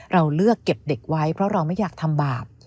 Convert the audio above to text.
เราเลือกเก็บเด็กไว้เพราะเราไม่อยากทำบาป